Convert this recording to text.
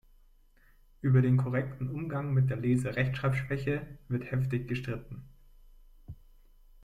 Über den korrekten Umgang mit der Lese-Rechtschreib-Schwäche wird heftig gestritten.